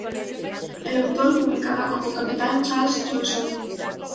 El autor publicaba como Capitán Charles Johnson.